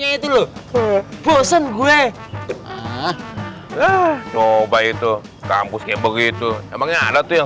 jantungnya itu bosan gue ah ah coba itu kampusnya begitu emangnya ada tuh yang